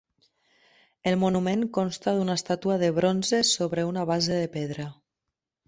El monument consta d'una estàtua de bronze sobre una base de pedra.